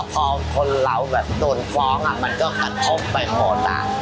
พอคนเราโดนฟ้องมันกระทบไปโหดอ่ะ